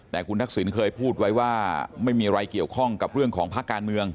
แต่คุณทักษิณเคยพูดไว้ว่าไม่มีอะไรเกี่ยวข้องกับเรื่องของภาคการเมือง